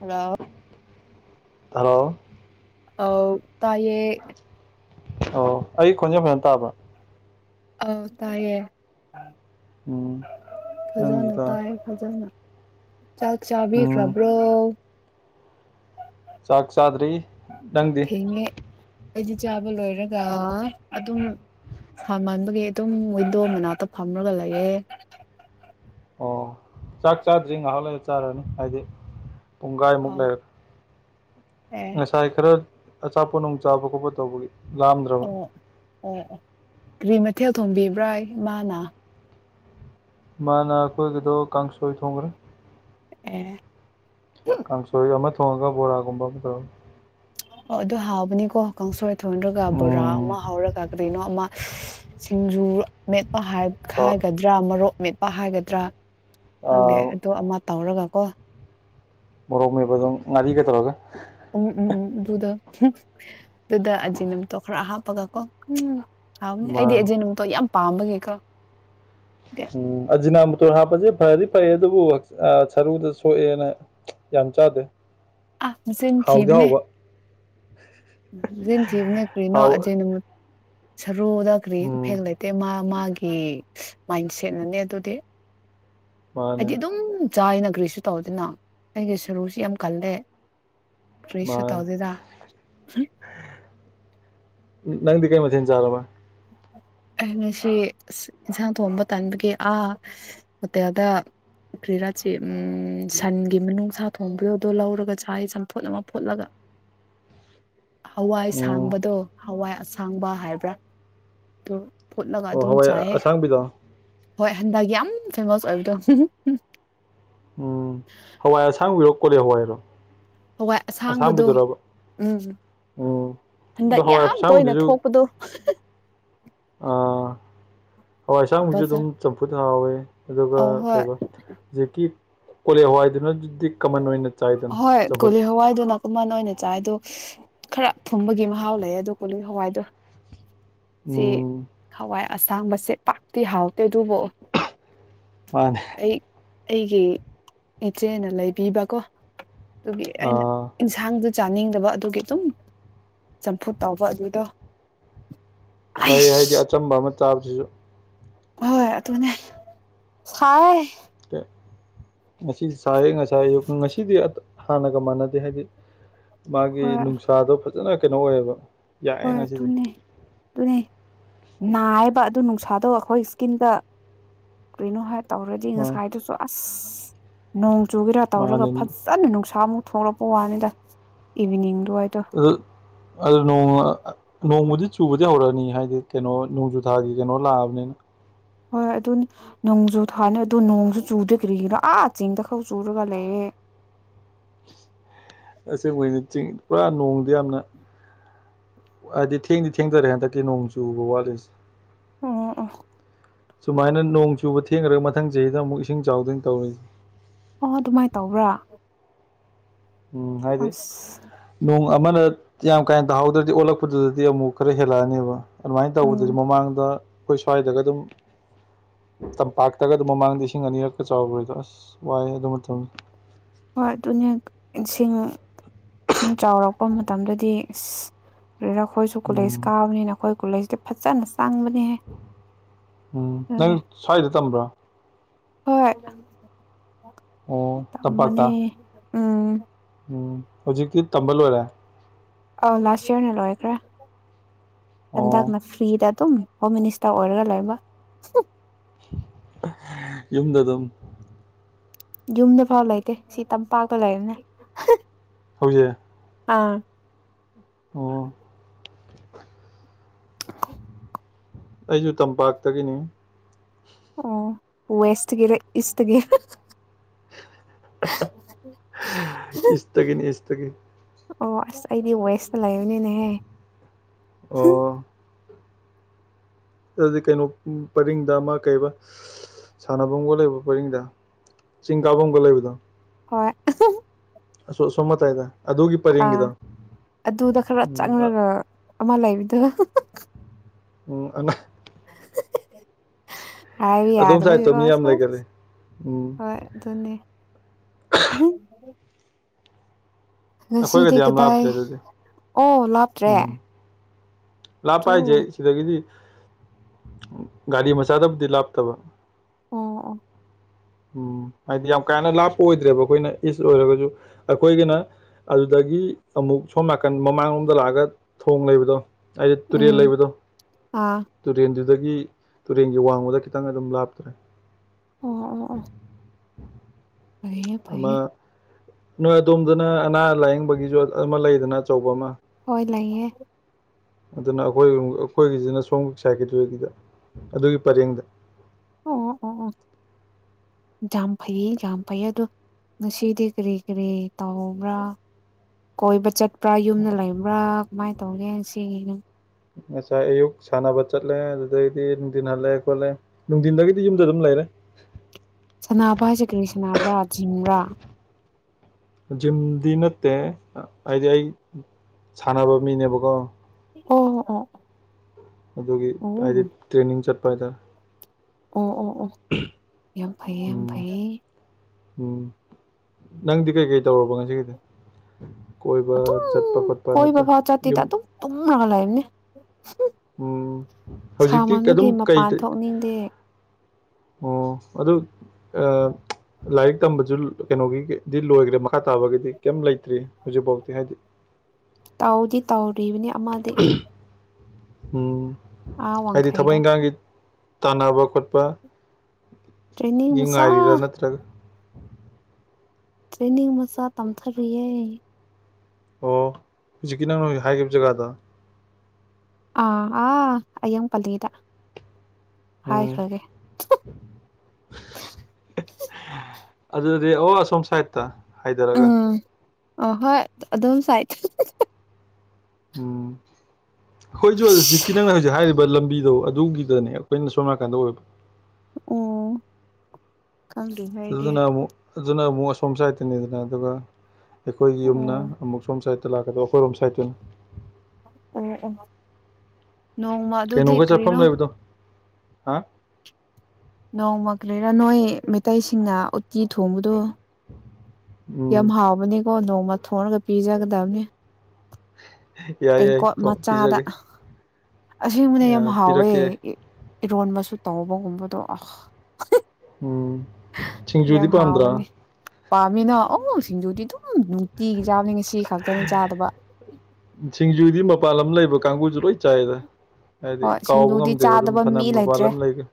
hello hello ꯑꯧ ꯇꯥꯢꯌꯦ ꯑꯣ ꯑꯩ ꯈꯣꯟꯖꯦꯜ ꯐꯖꯅ ꯇꯥꯕ꯭ꯔꯥ ꯑꯧ ꯇꯥꯏꯌꯦ ꯎꯝ ꯅꯪꯁꯨ ꯐꯖꯅ ꯇꯥꯏ ꯇꯥꯏꯌꯦ ꯐꯖꯅ ꯆꯥꯛ ꯎꯝ ꯆꯥꯕꯤꯈꯕ꯭ꯔꯣ ꯆꯥꯛ ꯆꯗ꯭ꯔꯤ ꯊꯦꯡꯉꯦ ꯑꯩꯗꯤ ꯆꯥꯕ ꯂꯣꯏꯔꯒ ꯑꯗꯨꯝ ꯁꯥꯃꯟꯥꯕꯒꯤ ꯑꯗꯨꯝ ꯋꯤꯟꯗꯣ ꯃꯅꯥꯛꯇ ꯐꯝꯔꯒ ꯂꯩꯌꯦ ꯑꯣ ꯆꯥꯛ ꯆꯥꯗ꯭ꯔꯤ ꯉꯥꯏꯍꯥꯛ ꯂꯩ ꯆꯥꯔꯅꯤ ꯍꯥꯏꯗꯤ ꯄꯨꯡꯒꯥꯏꯃꯨꯛ ꯑꯣ ꯂꯩꯔꯒ ꯑꯦ ꯉꯁ__ ꯇꯥꯏ ꯈꯔ ꯑꯆꯥꯄꯣꯠ ꯅꯣꯡ ꯆꯥꯕ ꯈꯣꯠꯄ ꯇꯧꯕꯒꯤ ꯂꯥꯝꯗ꯭ꯔꯕ ꯑꯣ ꯑꯣ ꯀ꯭ꯔꯤ ꯃꯊꯦꯜ ꯊꯣꯡꯕꯤꯕ꯭ꯔꯥ ꯏꯃꯥꯅ ꯃꯥꯅ ꯈꯣꯏꯒꯤꯗꯣ ꯀꯥꯡꯁꯣꯏ ꯊꯣꯡꯒ꯭ꯔꯦ ꯑꯦ ꯀꯥꯡꯁꯣꯏ ꯑꯃ ꯊꯣꯡꯉꯒ ꯕꯣꯔꯥꯒꯨꯝꯕ ꯑꯃ ꯇꯧꯔ ꯑꯣ ꯑꯗꯨ ꯍꯥꯎꯕꯅꯤꯀꯣ ꯀꯥꯡꯁꯣꯏ ꯊꯣꯟꯔꯒ ꯕꯣꯔꯥ ꯎꯝ ꯑꯃ ꯍꯧꯔꯒ ꯑꯗꯩꯅꯣ ꯑꯃ ꯁꯤꯡꯖꯨ ꯃꯦꯠꯄ ꯍꯥꯏ ꯍꯥꯏꯒ ꯗ꯭ꯔꯥ ꯃꯔꯣꯛ ꯃꯦꯠꯄ ꯍꯥꯏꯒꯗ꯭ꯔꯥ ꯈꯪꯗꯦ ꯑꯥ ꯑꯗꯣ ꯑꯃ ꯇꯧꯔꯒ ꯀꯣ ꯃꯣꯔꯣꯛ ꯃꯦꯠꯄꯗꯣ ꯉꯥꯔꯤꯒ ꯇꯧꯔꯒ ꯎ ꯎꯝ ꯎꯝ ꯑꯗꯨꯗ ꯑꯗꯨꯗ ꯑꯖꯤ ꯅꯨꯃꯤꯇꯣ ꯈꯔ ꯍꯥꯞꯄꯒ ꯀꯣ ꯎꯝ ꯍꯥꯎꯅꯤ ꯑꯩꯗꯤ ꯑꯦꯖꯦꯅꯣꯇꯣ ꯌꯥꯝ ꯄꯥꯝꯕꯒꯤꯀꯣ ꯎꯝ ꯑꯖꯤꯅꯥ ꯃꯨꯇꯣꯔ ꯍꯥꯞꯄꯁꯦ ꯐꯗꯤ ꯐꯩ ꯑꯗꯨꯕꯨ ꯁꯔꯨꯗ ꯁꯣꯛꯑꯦꯅ ꯌꯥꯝ ꯆꯥꯗꯦ ꯑꯥ ꯃꯆꯤꯟ ꯍꯥꯎꯗꯤ ꯊꯤꯕꯅꯦ ꯍꯥꯎꯕ ꯃꯖꯤꯟ ꯊꯤꯕꯅꯦ ꯀ꯭ꯔꯤꯅꯣ ꯍꯥꯎ ꯑꯖꯦꯅꯨ ꯁꯔꯨꯗ ꯀꯔꯤ ꯏꯐꯦꯛ ꯎꯝ ꯂꯩ ꯇꯦ ꯃꯥ ꯃꯥꯒꯤ ꯃꯥꯏꯟ ꯁꯦꯠꯅꯅꯦ ꯑꯗꯨꯗꯤ ꯑꯩꯗꯤ ꯃꯥꯅꯦ ꯑꯗꯨꯝ ꯆꯥꯏꯅꯒ꯭ꯔꯤꯁꯨ ꯇꯧꯗꯦꯅ ꯑꯩꯒꯤ ꯁꯔꯨꯁꯤ ꯌꯥꯝ ꯀꯜꯂꯦ ꯃꯥ ꯀꯔꯤꯁꯨ ꯇꯧꯗꯦꯗ ꯅꯪꯗꯤ ꯀꯩ ꯃꯊꯦꯟ ꯆꯥꯔꯕꯥ ꯑꯩ ꯉꯁꯤ ꯏꯁ ꯏꯟꯁꯥꯡ ꯊꯣꯡꯕ ꯇꯥꯟꯕꯒꯤ ꯑꯥ ꯍꯣꯇꯦꯜꯗ ꯀꯔꯤꯔꯥ ꯆꯤꯞ ꯎꯝ ꯁꯟ__ ꯒꯤ ꯃꯤꯅꯨꯡꯁꯥ ꯊꯣꯡꯕ꯭ꯌꯣꯗꯣ ꯂꯧꯔꯒ ꯆꯥꯏ ꯆꯝꯐꯨꯠ ꯑꯃ ꯐꯨꯠꯂꯒ ꯎꯝ ꯍꯋꯥꯏꯁꯥꯡꯕꯗꯣ ꯍꯋꯥꯏ ꯑꯁꯥꯡꯕ ꯍꯥꯏꯕ꯭ꯔꯥ ꯗꯨ ꯑꯣ ꯍꯋꯥꯏꯑꯁꯥꯡꯕꯤꯗꯣ ꯍꯣꯏ ꯍꯟꯗꯛ ꯌꯥꯝ ꯐꯦꯃꯁ ꯑꯣꯏꯕꯗꯣ ꯎꯝ ꯍꯋꯥꯏꯑꯁꯥꯡꯕꯤꯔꯣ ꯀꯣꯂꯤ ꯍꯋꯥꯏꯔꯣ ꯍꯋꯥꯏ ꯑꯁꯥꯡꯕꯗꯣ ꯑꯁꯥꯡꯕꯤꯗꯨꯔꯕ ꯎꯝ ꯎꯝ ꯑꯗꯣ ꯍꯋꯥꯏ ꯑꯁꯥꯡꯕꯗꯨꯖꯨ ꯗꯣ ꯑꯥ ꯍꯋꯥꯏ ꯑꯁꯥꯡꯕꯤꯖꯨ ꯑꯗꯨꯝ ꯕꯖꯥꯔ ꯆꯝꯐꯨꯠ ꯍꯥꯎꯋꯦ ꯑꯗꯨꯒ ꯑ ꯍꯣꯏ ꯀꯩꯕ ꯍꯧꯖꯤꯛꯀꯤ ꯀꯣꯂꯦꯍꯋꯥꯏꯗꯨꯅ ꯗꯨꯗꯤ ꯀꯃꯟ ꯑꯣꯏꯅ ꯆꯥꯏꯗꯅ ꯍꯣꯏ ꯆꯥꯕꯣꯠ ꯀꯣꯂꯤ ꯍꯋꯥꯏꯗꯨꯅ ꯀꯃꯟ ꯑꯣꯏꯅ ꯆꯥꯏꯗꯣ ꯈꯔ ꯊꯨꯝꯕꯒꯤ ꯃꯍꯥꯎ ꯂꯩ ꯑꯗꯣ ꯀꯣꯂꯤ ꯍꯋꯥꯏꯗꯣ ꯆꯦ ꯎꯝ ꯍꯋꯥꯏ ꯑꯁꯥꯡꯕꯁꯦ ꯄꯥꯛꯇꯤ ꯍꯥꯎꯇꯦ ꯑꯗꯨꯕꯨ ꯃꯥꯅꯦ ꯑꯩ ꯑꯩꯒꯤ ꯏꯆꯦꯅ ꯂꯩꯕꯤꯕꯀꯣ ꯑꯗꯨꯒꯤ ꯑꯩꯅ ꯑꯥ ꯏꯟꯁ ꯍꯥꯡꯗꯣ ꯆꯥꯅꯤꯡꯗꯕ ꯑꯗꯨꯒꯤ ꯑꯗꯨꯝ ꯆꯝꯐꯨꯠ ꯇꯥꯎꯕ ꯑꯗꯨꯗꯣ ꯐꯩ ꯍꯥꯏꯗꯤ ꯑꯩꯁ ꯑꯆꯝꯕ ꯑꯃ ꯆꯥꯕꯁꯤꯁꯨ ꯍꯣꯏ ꯑꯇꯨꯅꯦ ꯁꯥꯏ [unintelligible] ꯉꯁꯤ ꯆꯥꯏꯌꯦ ꯉꯁꯥꯏ ꯌꯨꯛ ꯉꯁꯤꯗꯤ ꯍꯥꯟꯅꯒ ꯃꯥꯟꯅꯗꯦ ꯍꯥꯏꯗꯤ ꯃꯥꯒꯤ ꯍꯣꯏ ꯅꯨꯡꯁꯥꯗꯣ ꯐꯖꯅ ꯀꯩꯅꯣ ꯑꯣꯏꯌꯦꯕ ꯍꯣꯏ ꯌꯥꯛꯑꯦ ꯉꯁꯤꯗꯤ ꯑꯗꯨꯅꯦ ꯑꯗꯨꯅꯦ ꯅꯥꯏꯌꯦꯕ ꯑꯗꯨ ꯅꯨꯡꯁꯥꯗꯣ ꯑꯩꯈꯣꯏ ꯏꯁꯀꯤꯟꯗ ꯀꯔꯤꯅꯣ ꯍꯥꯏ ꯇꯧꯔꯗꯤ ꯃꯥ ꯉꯁꯥꯏꯗꯨꯁꯨ ꯑꯁ ꯅꯣꯡ ꯆꯨꯒꯦꯔꯥ ꯇꯧꯔꯒ ꯃꯥꯅꯦ ꯐꯁ__ ꯐꯅ ꯅꯨꯡꯁꯥꯃꯨꯛ ꯊꯣꯛꯂꯛꯄ ꯋꯥꯅꯤꯗ ꯏꯚꯤꯅꯤꯡ ꯗ꯭ꯋꯥꯏꯗꯣ ꯑꯗꯨ ꯅꯣꯡ ꯅꯣꯡꯃꯗꯤ ꯆꯨꯕꯗꯤ ꯍꯧꯔꯛꯑꯅꯤ ꯍꯥꯏꯗꯤ ꯀꯩꯅꯣ ꯅꯣꯡꯖꯨ ꯊꯥꯒꯤ ꯀꯩꯅꯣ ꯂꯥꯛꯑꯕꯅꯤꯅ ꯍꯣꯏ ꯑꯗꯨ ꯅꯣꯡꯖꯨ ꯊꯥꯅꯤ ꯑꯗꯣ ꯅꯣꯡꯁꯨ ꯆꯨꯗꯦ ꯀꯔꯤꯒꯤꯔꯥ ꯑꯥ ꯆꯤꯡꯗ ꯈꯛ ꯆꯨꯔꯒ ꯂꯩꯌꯦ ꯑꯁꯦꯡ ꯑꯣꯏꯅ ꯆꯤꯡ ꯄꯨꯔꯥ ꯅꯣꯡꯗꯤ ꯌꯥꯝꯅ ꯍꯥꯏꯗꯤ ꯊꯦꯡꯗꯤ ꯊꯦꯡꯙꯔꯦ ꯍꯟꯗꯛꯀꯤ ꯅꯣꯡ ꯆꯨꯕ ꯋꯥꯠꯂꯤꯁꯦ ꯑꯣ ꯑꯣ ꯁꯨꯃꯥꯏꯅ ꯅꯣꯡ ꯆꯨꯕ ꯊꯦꯡꯒꯔ꯭ ꯃꯊꯪ ꯆꯍꯤꯗ ꯑꯃꯨꯛ ꯏꯁꯤꯡ ꯆꯥꯎꯗꯣꯏꯅꯤ ꯇꯧꯔꯤꯁꯦ ꯑꯣ ꯑꯗꯨꯃꯥꯏꯅ ꯇꯧꯕ꯭ꯔꯥ ꯎꯝ ꯍꯥꯏꯗꯤ ꯑꯁ ꯅꯣꯡ ꯑꯃꯅ ꯌꯥꯝ ꯀꯥ ꯍꯦꯟ ꯇꯥꯍꯧꯗ꯭ꯔꯗꯤ ꯑꯣꯜꯂꯛꯄꯗꯨꯗꯗꯤ ꯑꯃꯨꯛ ꯈꯔ ꯍꯦꯜꯂꯛꯑꯅꯦꯕ ꯑꯗꯨꯃꯥꯏꯅ ꯎꯝ ꯇꯧꯕꯗꯁꯨ ꯃꯃꯥꯡꯗ ꯈꯣꯏ ꯁ꯭ꯋꯥꯏꯗꯒ ꯗꯨꯝ ꯇꯝꯄꯥꯛꯇꯒ ꯑꯗꯨꯝ ꯃꯃꯥꯡꯗ ꯏꯁꯤꯡ ꯑꯅꯤꯔꯛꯀ ꯆꯥꯎꯈꯔ꯭ꯤꯗꯣ ꯑꯁ ꯋꯥꯏꯍꯦ ꯑꯗꯨ ꯃꯇꯝ ꯍꯣꯏ ꯑꯗꯨꯅꯦ ꯏꯁꯤꯡ ꯏꯁꯤꯡ ꯆꯥꯎꯔꯛꯄ ꯃꯇꯝꯗꯗꯤ ꯏꯁ ꯀꯔꯤꯔꯥ ꯈꯣꯏꯁꯨ ꯀꯣꯂꯦꯖ ꯎꯝ ꯀꯥꯕꯅꯤꯅ ꯑꯩꯈꯣꯏ ꯀꯨꯂꯦꯖꯇ ꯐꯖꯅ ꯆꯪꯕꯅꯤꯍꯦ ꯎꯝ ꯅꯪ ꯁ꯭ꯋꯥꯏꯗ ꯇꯝꯕ꯭ꯔꯣ ꯍꯣꯏ ꯑꯣ ꯃꯅꯦ ꯑꯣ ꯍꯨꯖꯤꯛꯇꯤ ꯇꯝꯕ ꯂꯣꯏꯔꯦ ꯑꯧ ꯂꯥꯁ ꯌꯔꯅ ꯂꯣꯏꯈ꯭ꯔꯦ ꯑꯣ ꯍꯟꯗꯛꯅ ꯐ꯭ꯔꯤꯗ ꯗꯨꯝ ꯍꯣꯝ ꯃꯤꯅꯤꯁꯇꯥ ꯑꯣꯏꯔꯒ ꯂꯩꯕ ꯌꯨꯝꯗ ꯑꯗꯨꯝ ꯌꯨꯝꯗ ꯐꯥꯎ ꯂꯩꯇꯦ ꯁꯤ ꯇꯝꯄꯥꯛꯇ ꯂꯩꯕꯅꯦ ꯍꯧꯖꯤ ꯑꯥ ꯑꯣ ꯑꯩꯖꯨ ꯇꯝꯄꯥꯛꯇꯒꯤꯅꯤ ꯑꯣ ꯋꯦꯁꯇꯒꯤꯔꯥ ꯏꯁꯇꯒꯤ ꯏꯁꯇꯒꯤꯅꯤ ꯏꯁꯇꯒꯤ ꯑꯣ ꯑꯁ ꯑꯩꯗꯤ ꯋꯦꯁꯇ ꯂꯩꯕꯅꯤꯅꯦꯍꯦ ꯑꯣ ꯑꯗꯨꯗꯤ ꯀꯩꯅꯣ ꯎꯝ ꯄꯔꯤꯡꯗ ꯑꯃ ꯀꯩꯕ ꯁꯥꯟꯅꯕꯝꯒ ꯂꯩꯕ ꯄꯔꯤꯡꯗ ꯆꯤꯡꯀꯥꯕꯝꯒ ꯂꯩꯕꯗꯣ ꯍꯣꯏ ꯑꯁꯣ ꯑꯁꯣꯝ ꯃꯇꯥꯏꯗ ꯑꯗꯨꯒꯤ ꯑꯥ ꯄꯔꯦꯡꯒꯤꯗꯣ ꯑꯗꯨꯗ ꯈꯔ ꯎꯝ ꯆꯪꯔꯒ ꯑꯃ ꯂꯩꯕꯗꯣ ꯑꯣ ꯑꯅ ꯍꯥꯏꯕ ꯑꯗꯣꯝ ꯁꯥꯏꯠꯇꯣ ꯌꯥꯗꯕꯒꯤꯀꯣ ꯃꯤ ꯌꯥꯝ ꯑꯁ ꯂꯩꯒꯜꯂꯤ ꯎꯝ ꯍꯣꯏ ꯗꯨꯅꯦ ꯉꯁꯤꯗꯤ ꯑꯩꯈꯣꯏꯒꯗꯤ ꯌꯥꯝ ꯀꯗꯥꯏ ꯂꯥꯞꯇ꯭ꯔꯦ ꯑꯗꯨꯗꯤ ꯑꯣ ꯂꯥꯞ ꯎꯝ ꯂꯥꯞꯄ ꯍꯥꯏꯖꯦ ꯁꯤꯗꯒꯤꯗꯤ ꯒꯥꯔꯤ ꯃꯆꯥꯗꯕꯨꯗꯤ ꯂꯥꯞꯇꯕ ꯑꯣ ꯑꯣ ꯎꯝ ꯍꯥꯏꯗꯤ ꯌꯥꯝ ꯀꯥ ꯍꯦꯟꯅ ꯂꯥꯞꯄ ꯑꯣꯏꯗ꯭ꯔꯦꯕ ꯑꯩꯈꯣꯏꯅ ꯏꯁ ꯑꯣꯏꯔꯒꯁꯨ ꯑꯩꯈꯣꯏꯒꯤꯅ ꯑꯗꯨꯗꯒꯤ ꯑꯃꯨꯛ ꯁꯣꯝ ꯅꯥꯀꯟ ꯃꯃꯥꯡꯂꯣꯝ ꯗ ꯂꯥꯛꯑꯒ ꯊꯣꯡ ꯂꯩꯕꯗꯣ ꯍꯥꯏꯗꯤ ꯇꯨꯔꯦꯜ ꯎꯝ ꯂꯩꯕꯗꯣ ꯑꯥ ꯇꯨꯔꯦꯟꯗꯨꯗꯒꯤ ꯇꯨꯔꯦꯟꯒꯤ ꯋꯥꯡꯃꯗ ꯈꯤꯇꯪ ꯑꯗꯨꯝ ꯂꯥꯞꯇ꯭ꯔꯦ ꯑꯣ ꯑꯣ ꯑꯣ ꯐꯩꯌꯦ ꯑꯃ ꯐꯩꯌꯦ ꯅꯣꯏ ꯑꯗꯣꯝꯗꯅ ꯑꯅꯥ ꯂꯥꯏꯌꯦꯡꯕꯒꯤꯁꯨ ꯑꯃ ꯂꯩꯗꯅ ꯑꯆꯧꯕ ꯑꯃ ꯍꯣꯏ ꯂꯩꯌꯦ ꯑꯗꯨꯅ ꯑꯩꯈꯣꯏ ꯑꯩꯈꯣꯏꯒꯤꯁꯤꯅ ꯁꯣꯝ ꯁꯥꯏꯠꯀꯤꯁꯤꯗ ꯑꯗꯨꯒꯤ ꯄꯔꯦꯡꯗ ꯑꯣ ꯑꯣ ꯑꯣ ꯑꯣ ꯌꯥꯝ ꯐꯩꯌꯦ ꯌꯥꯝ ꯐꯩꯌꯦ ꯑꯗꯣ ꯉꯁꯤꯗꯤ ꯀꯔꯤ ꯀꯔꯤ ꯇꯧꯕ꯭ꯔꯥ ꯀꯣꯏꯕ ꯆꯠ ꯄꯨꯔꯥ ꯌꯨꯝꯅ ꯂꯩꯕ꯭ꯔꯥ ꯀꯃꯥꯏꯅ ꯇꯧꯒꯦ ꯉꯥꯁꯤꯒꯤ ꯉꯁꯥꯏ ꯑꯌꯨꯛ ꯁꯥꯟꯅꯕ ꯆꯠꯂꯦ ꯑꯗꯨꯗꯩꯗꯤ ꯅꯨꯡꯗꯤꯟ ꯍꯜꯂꯦ ꯈꯣꯠꯂꯦ ꯅꯨꯡꯗꯤꯟꯗꯒꯤꯗꯤ ꯌꯨꯝꯗ ꯑꯗꯨꯝ ꯂꯩꯔꯦ ꯁꯅꯕ ꯍꯥꯏꯁꯦ ꯀꯔꯤ ꯁꯅꯕ꯭ꯔꯥ ꯖꯤꯝꯔꯥ ꯖꯤꯝꯗꯤ ꯅꯠꯇꯦ ꯍꯥꯏꯗꯤ ꯑꯩ ꯁꯥꯟꯅꯕ ꯃꯤꯅꯦꯕꯀꯣ ꯑꯣ ꯑꯣ ꯑꯗꯨꯒꯤ ꯍꯥꯏꯗꯤ ꯑꯣ ꯇ꯭ꯔꯦꯅꯤꯡ ꯆꯠꯄ ꯍꯥꯏꯇꯥꯔꯦ ꯑꯣ ꯑꯣ ꯑꯣ ꯌꯥꯝ ꯐꯩꯌꯦ ꯌꯥꯝ ꯎꯝ ꯐꯩꯌꯦ ꯎꯝ ꯅꯪꯗꯤ ꯀꯩꯀꯩ ꯇꯧꯔꯕꯣ ꯉꯁꯤꯒꯤꯗꯤ ꯀꯣꯏꯕ ꯑꯗꯨꯝ ꯆꯠꯄ ꯈꯣꯠꯄ ꯀꯣꯏꯕ ꯅꯠꯇ꯭ꯔꯥ ꯐꯥꯎ ꯆꯠꯇꯦꯗ ꯌꯨꯝ ꯑꯗꯨꯝ ꯇꯨꯝꯔꯒ ꯂꯩꯕꯅꯦ ꯍꯨꯝ ꯎꯝ ꯍꯧꯖꯤꯛꯇꯤ ꯑꯗꯨꯝ ꯀꯩ ꯃꯄꯥꯟ ꯊꯣꯛꯅꯤꯡꯗꯦ ꯑꯣ ꯑꯗꯨ ꯑ ꯂꯥꯏꯔꯤꯛ ꯇꯝꯕꯁꯨ ꯀꯩꯅꯣꯒꯤꯗꯤ ꯂꯣꯏꯈ꯭ꯔꯦ ꯃꯈꯥ ꯇꯥꯕꯒꯤꯗꯤ ꯀꯩꯝ ꯂꯩꯇ꯭ꯔꯤ ꯍꯧꯖꯤꯛꯐꯥꯎꯗꯤ ꯍꯥꯏꯗꯤ ꯇꯥꯎꯗꯤ ꯇꯥꯎꯔꯤꯕꯅꯤ ꯑꯃꯗꯤ ꯎꯝ ꯑꯥ ꯍꯥꯏꯗꯤ ꯊꯕꯛ ꯋꯥꯡꯈꯩꯗ ꯏꯪꯒꯥꯡꯒꯤ ꯇꯥꯟꯅꯕ ꯈꯣꯠꯄ ꯇ꯭ꯔꯦꯅꯤꯡ ꯃꯤ ꯃꯆꯥ ꯉꯥꯏꯔꯤꯔꯥ ꯅꯠꯇ꯭ꯔꯒ ꯇ꯭ꯔꯦꯅꯤꯡ ꯃꯆꯥ ꯇꯝꯊꯔꯤꯌꯦ ꯑꯣ ꯍꯧꯖꯤꯛꯀꯤ ꯅꯪꯅ ꯑꯣꯏ ꯍꯥꯏꯈꯤꯕ ꯖꯒꯥꯗꯣ ꯑꯥ ꯑꯥ ꯑꯌꯥꯡ ꯄꯜꯂꯤꯗ ꯎꯝ ꯍꯥꯏꯈ꯭ꯔꯒꯦ ꯑꯗꯨꯗꯤ ꯑꯣ ꯑꯁꯣꯝ ꯁꯥꯏꯠꯇ ꯍꯥꯥꯏꯗꯔꯒ ꯑ ꯍꯣꯏ ꯑꯗꯨꯝ ꯁꯥꯏꯠꯇ ꯎꯝ ꯑꯩꯈꯣꯏꯖꯨ ꯍꯧꯖꯤꯛꯀꯤ ꯅꯪꯅ ꯍꯧꯖꯤꯛ ꯍꯥꯏꯔꯤꯕ ꯂꯝꯕꯤꯗꯣ ꯑꯗꯨꯒꯤ ꯑꯗꯨꯅꯦ ꯑꯈꯣꯏꯅ ꯁꯣꯝꯅꯥꯀꯥꯟꯗ ꯑꯣꯏꯕ ꯑꯣ ꯈꯪꯗꯦꯍꯦ ꯑꯗꯨꯅ ꯑꯃꯨꯛ ꯑꯗꯨꯅ ꯑꯃꯨꯛ ꯑꯁꯣꯝ ꯁꯋꯥꯏꯠꯇꯅꯦꯗꯅ ꯑꯗꯨꯒ ꯑꯩꯈꯣꯏꯒꯤ ꯌꯨꯝꯅ ꯎꯝ ꯑꯃꯨꯛ ꯁꯣꯝ ꯁꯥꯏꯗꯠꯇ ꯂꯥꯛꯀꯗꯧ ꯑꯈꯣꯏꯔꯣꯝ ꯁꯥꯏꯠꯇꯨꯅꯤ ꯑꯣ ꯑꯣ ꯅꯣꯡꯃ ꯑꯗꯨꯗꯤ ꯀꯩꯅꯣꯒ ꯆꯐꯝ ꯀꯔꯤꯅꯣ ꯂꯩꯕꯗꯣ ꯍꯥ ꯅꯣꯡꯃ ꯀꯔꯤꯔ ꯅꯣꯏ ꯃꯩꯇꯩꯁꯤꯡꯅ ꯎꯠꯇꯤ ꯊꯣꯡꯕꯗꯣ ꯌꯥꯝ ꯎꯝ ꯍꯥꯎꯕꯅꯦꯀꯣ ꯅꯣꯡꯃ ꯊꯣꯡꯔꯒ ꯄꯤꯖꯒꯗꯕꯅꯦ ꯌꯥꯏ ꯌꯥꯏ ꯇꯦꯡꯀꯣꯠ ꯃꯆꯥꯗ ꯄꯤꯖꯒꯦ ꯑꯁꯤꯕꯅꯦ ꯌꯥꯝ ꯍꯥꯎꯋꯦ ꯄꯤꯔꯛꯀꯦ ꯏꯔꯣꯟꯕꯁꯨ ꯇꯧꯕꯒꯨꯝꯕꯗꯣ ꯑ ꯎꯝ ꯁꯤꯡꯖꯨꯗꯤ ꯄꯥꯟꯗ꯭ꯔꯥ ꯍꯥꯎꯕꯅꯤ ꯄꯥꯝꯃꯤꯅ ꯁꯤꯡꯖꯨꯗꯤ ꯑꯗꯨꯝ ꯅꯨꯡꯇꯤꯒꯤ ꯆꯥꯕꯅꯤ ꯉꯁꯤ ꯈꯛꯇꯅꯤ ꯆꯥꯗꯕ ꯁꯤꯡꯖꯨꯗꯤ ꯃꯄꯥꯟ ꯂꯝ ꯂꯩꯕ ꯀꯥꯡꯕꯨꯁꯨ ꯂꯣꯏ ꯆꯥꯏꯗ ꯍꯥꯏꯗꯤ ꯍꯣꯏ ꯀꯥꯎꯕ ꯁꯤꯡꯖꯨꯗꯤ ꯉꯝꯗꯦꯕ ꯑꯗꯨꯝ ꯆꯥꯗꯕ ꯐꯅ ꯃꯤ ꯃꯄꯥꯥꯟ ꯂꯩꯇ꯭ꯔꯦ ꯂꯝ ꯂꯩꯒꯦ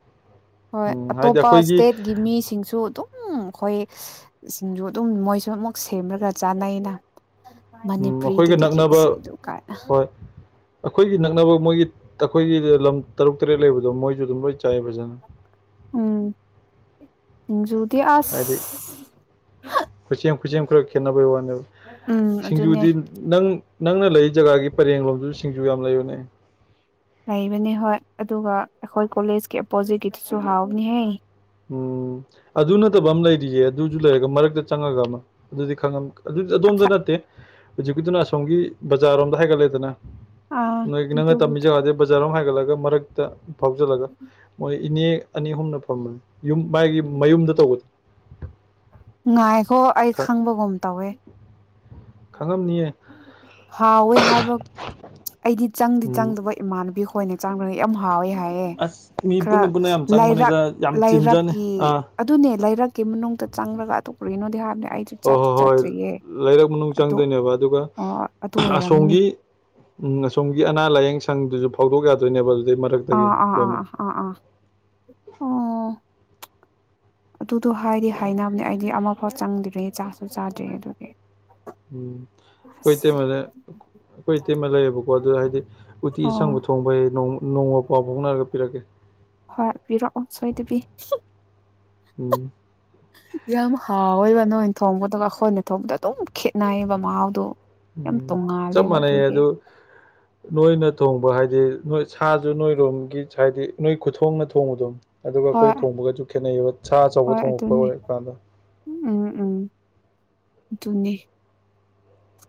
ꯍꯣꯏ ꯑꯇꯣꯞꯄ ꯏꯁꯇꯦꯠꯒꯤ ꯃꯤꯁꯤꯡꯁꯨ ꯑꯗꯨꯝ ꯎꯝ ꯈꯣꯏ ꯁꯤꯡꯖꯨ ꯑꯗꯨꯝ ꯃꯣꯏꯁꯨ ꯑꯃꯨꯛ ꯁꯦꯝꯔꯒ ꯆꯥꯅꯩꯅ ꯎꯝ ꯑꯩꯈꯣꯏꯒ ꯃꯅꯤꯄ꯭ꯔꯤꯗꯗꯤ [inaudible] ꯗꯨ ꯀꯥꯏꯅ ꯑꯈꯣꯏꯒꯤ ꯅꯛꯅꯕ ꯃꯣꯏꯒꯤꯇ ꯑꯈꯣꯏꯒꯤ ꯂꯝ ꯇꯔꯨꯛ ꯇꯔꯦꯠ ꯂꯩꯕꯗꯣ ꯃꯣꯏꯖꯨ ꯑꯗꯨꯝ ꯂꯣꯏ ꯆꯥꯏ ꯐꯖꯅ ꯎꯝ ꯁꯤꯡꯖꯨꯗꯤ ꯑꯁ ꯈꯨꯁꯦꯝ ꯈꯨꯁꯦꯝ ꯈꯔ ꯈꯦꯠꯅꯕꯩ ꯋꯥꯅꯦꯕ ꯎꯝ ꯑꯗꯨꯅꯦ ꯁꯤꯡꯖꯨꯗꯤ ꯅꯪ ꯅꯪꯅ ꯂꯩꯔꯤ ꯖꯒꯥꯒꯤ ꯄꯔꯦꯡꯂꯣꯝꯗꯨ ꯁꯤꯡꯖꯨ ꯌꯥꯝ ꯂꯩꯕꯅꯦ ꯂꯩꯕꯅꯤ ꯍꯣꯏ ꯑꯗꯨꯒ ꯑꯩꯈꯣꯏ ꯀꯣꯂꯦꯖꯀꯤ ꯑꯄꯣꯖꯤꯀꯤꯗꯨꯁꯨ ꯍꯥꯎꯕꯅꯤꯍꯦ ꯎꯝ ꯑꯗꯨ ꯅꯠꯇꯕ ꯑꯃ ꯂꯩꯔꯤꯌꯦ ꯑꯗꯨꯖꯨ ꯂꯩꯔꯒ ꯃꯔꯛꯇ ꯆꯪꯉꯒ ꯑꯃ ꯑꯗꯨꯗꯤ ꯈꯪꯉꯝ ꯑꯗꯨ ꯑꯗꯣꯝꯗ ꯅꯠꯇꯦ ꯍꯧꯖꯤꯛꯀꯤꯗꯨꯅ ꯑꯁꯣꯝꯒꯤ ꯕꯖꯥꯔꯔꯣꯝꯗ ꯍꯥꯏꯒꯠꯂꯦꯗꯅ ꯑꯥ ꯅꯣꯏ ꯅꯣꯒ ꯇꯝꯃꯤ ꯑꯗꯨꯕꯨꯗꯤ ꯖꯒꯥꯗꯩ ꯕꯖꯥꯔꯔꯣꯝ ꯍꯥꯏꯒꯠꯂꯒ ꯃꯔꯛꯇ ꯐꯥꯎꯖꯤꯜꯂꯒ ꯃꯣꯏ ꯏꯅꯦ ꯑꯅꯤ ꯑꯍꯨꯝꯅ ꯐꯝꯕꯅꯤ ꯌꯨꯝ ꯃꯥꯒꯤ ꯃꯌꯨꯝꯗ ꯇꯧꯕꯗꯣ ꯉꯥꯏꯈꯣ ꯑꯩ ꯈꯪ ꯈꯪꯕꯒꯨꯝ ꯇꯧꯋꯦ ꯈꯪꯉꯝꯅꯤꯌꯦ ꯍꯥꯎꯋꯦ ꯍꯥꯏꯕ ꯑꯩꯗꯤ ꯆꯪꯗꯤ ꯎꯝ ꯆꯪꯗꯕꯩ ꯏꯃꯥꯟꯅꯕꯤ ꯈꯣꯏꯅ ꯆꯪꯔꯒ ꯌꯥꯝ ꯍꯥꯎꯋꯦ ꯍꯥꯏ ꯑꯦ ꯑꯁ ꯃꯤ ꯈꯔ ꯄꯨꯟꯅ ꯄꯨꯟꯅ ꯌꯥꯝ ꯂꯩꯔꯛ ꯆꯪꯕꯅꯤꯗ ꯌꯥꯝ ꯆꯤꯟꯖꯅꯤ ꯂꯩꯔꯛꯀꯤ ꯑꯥ ꯑꯗꯨꯅꯦ ꯂꯩꯔꯛꯀꯤ ꯃꯅꯨꯡꯗ ꯆꯪꯔꯒ ꯑꯗꯨ ꯀꯔꯤꯅꯣꯗꯤ ꯍꯥꯏꯕꯅꯦ ꯑꯩ ꯍꯣ ꯍꯣꯏ ꯍꯣꯏ ꯂꯩꯔꯛ ꯃꯅꯨꯡ ꯆꯪꯗꯣꯏꯅꯦꯕ ꯑꯗꯨꯒ ꯑꯣ ꯑꯗꯨ ꯑꯣꯏꯔꯝꯅꯤ ꯑꯁꯣꯝꯒꯤ ꯎꯝ ꯑꯁꯣꯝꯒꯤ ꯑꯅꯥ ꯂꯥꯏꯌꯦꯡ ꯁꯪꯗꯨꯁꯨ ꯐꯥꯎꯗꯣꯛ ꯌꯥꯗꯣꯏꯅꯦꯕ ꯑꯗꯨꯗꯩ ꯃꯔꯛ ꯑꯥ ꯑꯥ ꯑꯥ ꯑꯥ ꯑꯥ ꯑꯥ ꯑꯣ ꯑꯗꯨꯗꯣ ꯍꯥꯏꯗꯤ ꯍꯥꯏꯅꯕꯅꯦ ꯑꯩꯗꯤ ꯑꯃꯐꯥꯎ ꯆꯪꯗ꯭ꯔꯤ ꯆꯥꯁꯨ ꯆꯥꯗ꯭ꯔꯤ ꯑꯗꯨꯒꯤ [unintelligible] ꯎꯝ ꯈꯣꯏ ꯑꯁ ꯏꯇꯩꯃꯗ ꯈꯣꯏ ꯏꯇꯩꯃ ꯂꯩꯌꯦꯕꯀꯣ ꯑꯗꯣ ꯍꯥꯏꯗꯤ ꯎꯇꯤ ꯑꯣ ꯑꯁꯪꯕ ꯊꯨ ꯊꯣꯡꯕ ꯍꯩ ꯅꯣꯡ ꯅꯣꯡꯃ ꯄꯥꯎ ꯐꯥꯎꯅꯔꯒ ꯄꯤꯔꯛꯀꯦ ꯍꯣꯏ ꯄꯤꯔꯛꯑꯣ ꯁꯣꯏꯗꯕꯤ ꯎꯝ ꯌꯥꯝ ꯍꯥꯎꯋꯦꯕ ꯅꯣꯏꯅ ꯊꯣꯡꯕ ꯗꯨꯒ ꯑꯈꯣꯏꯅ ꯊꯣꯡꯕꯗꯣ ꯑꯗꯨꯝ ꯈꯦꯠꯅꯩꯌꯦꯕ ꯃꯍꯥꯎꯗꯣ ꯌꯥꯝ ꯎꯝ ꯆꯞ ꯇꯣꯡꯉꯥꯜꯂꯦꯕ ꯃꯥꯟꯅꯩꯌꯦ ꯑꯗꯨꯒꯤ [inaudible] ꯅꯣꯏꯅ ꯊꯣꯡꯕ ꯍꯥꯏꯗꯤ ꯅꯣꯏ ꯁꯥꯖꯨ ꯅꯣꯏꯔꯣꯝꯒꯤ ꯁꯥꯏꯠꯗꯤ ꯅꯣꯏ ꯈꯨꯊꯣꯡꯅ ꯊꯣꯡꯕꯗꯣ ꯑꯗꯨꯒ ꯑꯈꯣꯏ ꯍꯣꯏ ꯊꯣꯡꯕꯒꯆꯨ ꯈꯦꯠꯅꯩꯌꯦꯕ ꯁꯥ ꯑꯆꯧꯕ ꯍꯣꯏ ꯊꯣꯡꯉꯛꯄ ꯑꯗꯨꯅꯤ ꯑꯣꯏꯔ ꯀꯥꯟꯗ ꯎꯝ ꯎꯝ ꯗꯨꯅꯦ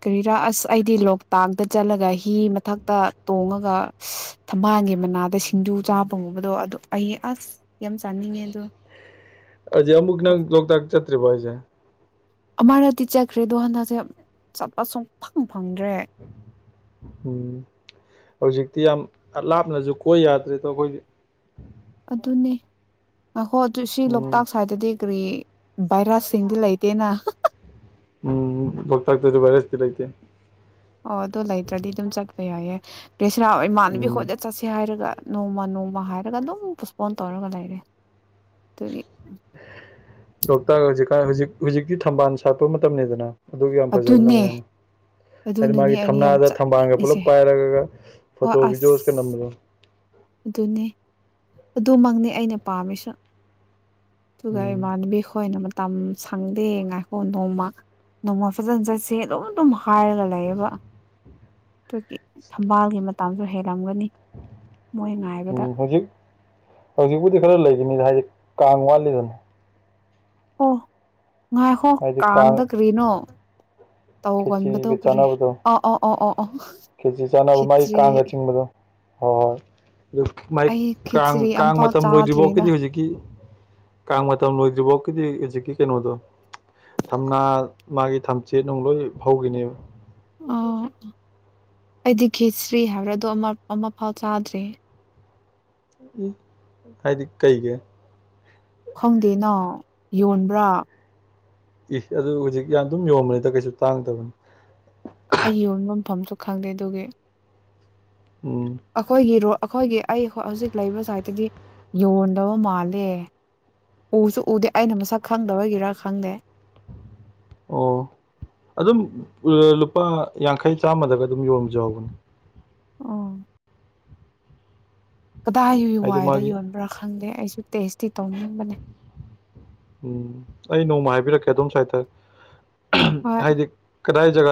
ꯀꯔꯤꯔꯥ ꯑꯁ ꯑꯩꯗꯤ ꯂꯣꯛꯇꯥꯛꯗ ꯆꯠꯂꯒ ꯍꯤ ꯃꯊꯛꯇ ꯇꯣꯡꯉꯒ ꯊꯝꯕꯥꯜꯒꯤ ꯃꯅꯥꯗ ꯁꯤꯡꯖꯨ ꯆꯥꯕ ꯒꯨꯝꯕꯗꯣ ꯑꯗꯨ ꯑꯩ ꯑꯁ ꯌꯥꯝ ꯆꯥꯅꯤꯡꯉꯦ ꯑꯗꯨ ꯑꯗꯨꯗꯤ ꯑꯃꯨꯛ ꯅꯪ ꯂꯣꯛꯇꯥꯛ ꯆꯠꯇ꯭ꯔꯤꯕꯣ ꯍꯥꯏꯁꯦ ꯑꯃꯔꯗꯤ ꯆꯠꯈ꯭ꯔꯦꯗꯣ ꯍꯟꯗꯛꯁꯦ ꯆꯠꯄ ꯁꯨꯡ ꯐꯪ ꯐꯪꯗ꯭ꯔꯦ ꯎꯝ ꯍꯧꯖꯤꯛꯇꯤ ꯌꯥꯝ ꯂꯥꯞꯅꯁꯨ ꯀꯣꯏ ꯌꯥꯗ꯭ꯔꯦꯗꯣ ꯑꯩꯈꯣꯏꯗꯤ ꯑꯗꯨꯅꯦ ꯉꯥꯏꯈꯣ ꯑꯗꯨ ꯁꯤ ꯎꯝ ꯂꯣꯛꯇꯥꯛ ꯁꯥꯏꯠꯗꯗꯤ ꯀꯔꯤ ꯚꯥꯏꯔꯁꯁꯤꯡꯗꯤ ꯂꯩꯇꯦꯅ ꯎꯝ ꯂꯣꯛꯇꯥꯛꯇꯖꯨ ꯚꯥꯏꯔꯁꯇꯤ ꯂꯩꯇꯦ ꯑꯣ ꯑꯗꯨ ꯂꯩꯇ꯭ꯔꯗꯤ ꯑꯗꯨꯝ ꯆꯠꯄ ꯌꯥꯏꯌꯦ ꯄ꯭ꯔꯦꯁꯔꯥ ꯏꯃꯥꯟꯅꯕꯤ ꯎꯝ ꯈꯣꯏꯗ ꯆꯠꯁꯦ ꯍꯥꯏꯔꯒ ꯅꯣꯡꯃ ꯅꯣꯡꯃ ꯍꯥꯏꯔꯒ ꯑꯗꯨꯝ ꯄꯣꯁꯄꯣꯟ ꯇꯧꯔꯒ ꯂꯩꯔꯦ ꯑꯗꯨꯒꯤ ꯂꯣꯛꯇꯥꯛ ꯍꯧꯖꯤꯛꯀꯥꯟ ꯍꯧꯖꯤꯛ ꯍꯧꯖꯤꯛꯇꯤ ꯊꯝꯕꯥꯜ ꯁꯥꯠꯄ ꯃꯇꯝꯅꯦꯗꯅ ꯑꯗꯨꯒꯤ ꯌꯥꯝ ꯐꯖꯕꯅꯦ ꯑꯗꯨꯅꯦ ꯑꯃꯨꯛ ꯍꯦꯟꯅ ꯑꯗꯨ ꯑꯗꯨꯅꯅꯦ ꯃꯥꯒꯤ ꯑꯩꯅ ꯌꯥꯝ ꯊꯝꯅꯥꯗ ꯊꯝꯕꯥꯜꯒ ꯄꯨꯜꯂꯞ ꯆꯠꯅꯤꯡꯉꯤꯁꯦ ꯄꯥꯏꯔꯒ ꯍꯣꯏ ꯐꯣꯇꯣ ꯚꯤꯖꯑꯣꯁꯀ ꯑꯁ ꯅꯝꯕꯗꯣ ꯑꯗꯨꯅꯦ ꯑꯗꯨꯃꯛꯅꯦ ꯑꯩꯅ ꯄꯥꯝꯃꯤꯁꯨ ꯇꯨꯒ ꯎꯝ ꯏꯃꯥꯅꯕꯤ ꯍꯣꯏꯅ ꯃ ꯇꯝ ꯁꯪꯗꯦ ꯉꯥꯏꯈꯣ ꯅꯣꯡꯃ ꯅꯣꯡꯃ ꯐꯖꯅ ꯆꯠꯁꯦ ꯑꯗꯨꯝ ꯑꯗꯨꯝ ꯍꯥꯏꯔꯒ ꯂꯩꯌꯦꯕ ꯑꯗꯨꯒꯤ ꯊꯝꯕꯥꯜꯒꯤ ꯃꯇꯥꯡꯗꯣ ꯍꯦꯜꯂꯝꯒꯅꯤ ꯃꯣꯏ ꯉꯥꯏ ꯎꯝ ꯍꯧꯖꯤꯛ ꯍꯧꯖꯤꯛꯄꯨꯗꯤ ꯈꯔ ꯂꯩꯈꯤꯅꯤꯗ ꯍꯥꯏꯗꯤ ꯀꯥꯡ ꯋꯥꯠꯂꯤꯗꯅ ꯑꯣ ꯉꯥꯏꯍꯣ ꯍꯥꯏꯗꯤ ꯀꯥꯡ ꯀꯥꯡꯗ ꯀ꯭ꯔꯤꯅꯣ ꯇꯧꯒꯟꯕꯗꯧ ꯈꯦꯆꯤꯒ ꯀꯔꯤ ꯑ ꯑꯧ ꯑꯣ ꯑꯣ ꯑꯣ ꯀꯦꯖꯤ ꯆꯥꯅꯕ ꯃꯥꯒꯤ ꯈꯦꯆ꯭ꯔꯤ ꯀꯥꯡꯒ ꯆꯤꯡꯕꯗꯣ ꯍꯣꯏ ꯍꯣꯏ ꯑꯗꯨ ꯃꯥꯥꯏ ꯑꯩ ꯀꯥꯡ ꯈꯦꯆ꯭ꯔꯤ ꯀꯥꯡ ꯑꯝꯐꯥꯎ ꯃꯇꯝ ꯆꯥꯗ꯭ꯔꯤꯗ ꯂꯣꯏꯗ꯭ꯔꯤꯐꯥꯎꯒꯤꯗꯤ ꯍꯧꯖꯤꯛꯀꯤ ꯀꯥꯡ ꯃꯇꯝ ꯂꯣꯏꯗ꯭ꯔꯤꯐꯥꯎꯒꯤꯗꯤ ꯍꯧꯖꯤꯛꯀꯤ ꯀꯩꯅꯣꯗꯣ ꯊꯝꯅꯥ ꯃꯥꯒꯤ ꯊꯝꯆꯦꯠ ꯅꯨꯡ ꯂꯣꯏ ꯍꯧꯒꯤꯅꯦꯕ ꯑꯣ ꯑꯩꯗꯤ ꯈꯦꯁ꯭ꯔꯤ ꯍꯥꯏꯕ꯭ꯔꯥ ꯑꯗꯣ ꯑꯃ ꯑꯃꯐꯥꯎ ꯆꯥꯗ꯭ꯔꯤ ꯍꯥꯏꯗꯤ ꯀꯩꯒꯤ ꯈꯪꯗꯦꯅ ꯌꯣꯟꯕ꯭ꯔꯥ ꯏ ꯑꯗꯨꯕꯨ ꯍꯧꯖꯤꯛ ꯌꯥꯝ ꯑꯗꯨꯝ ꯌꯣꯟꯕꯅꯤꯗ ꯀꯩꯁꯨ ꯇꯥꯡꯗꯕꯅꯤ ꯑꯩ ꯌꯣꯟꯕ ꯃꯐꯝꯁꯨ ꯈꯪꯗꯦ ꯑꯗꯨꯒꯤ ꯎꯝ ꯑꯩꯈꯣꯏꯒꯤꯔꯣ ꯑꯩꯈꯣꯏꯒꯤ ꯑꯩ ꯍꯣ ꯍꯧꯖꯤꯛ ꯂꯩꯕ ꯁꯥꯏꯠꯇꯗꯤ ꯌꯣꯟꯗꯕ ꯃꯥꯜꯂꯦ ꯎꯁꯨ ꯎꯗꯦ ꯑꯩꯅ ꯃꯁꯛ ꯈꯪꯗꯕꯒꯤꯔꯥ ꯈꯪꯗꯦ ꯑꯣ ꯑꯗꯨꯝ ꯂꯨꯄꯥ ꯌꯥꯡꯈꯩ ꯆꯥꯝꯃꯗꯒ ꯑꯗꯨꯝ ꯌꯣꯟꯕꯖꯨ ꯌꯥꯎꯕꯅꯦ ꯑꯣ ꯀꯗꯥꯏꯨꯏ ꯍꯥꯏꯗꯤ ꯋꯥꯏꯗ ꯃꯥꯒꯤ ꯌꯣꯟꯕ꯭ꯔꯥ ꯈꯪꯗꯦ ꯑꯩꯁꯨ ꯇꯦꯁꯇꯤ ꯇꯧꯅꯤꯡꯕꯅꯦ ꯎꯝ ꯑꯩ ꯅꯣꯡꯃ ꯍꯥꯏꯕꯤꯔꯛꯀꯦ ꯑꯗꯣꯝ ꯁꯥꯏꯠꯇ ꯍꯣꯏ ꯍꯥꯏꯗꯤ ꯀꯗꯥꯏ ꯖꯒꯥ